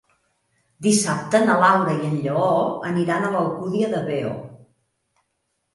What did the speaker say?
Dissabte na Laura i en Lleó aniran a l'Alcúdia de Veo.